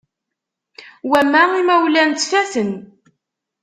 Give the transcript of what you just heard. Wamma imawlan ttfaten.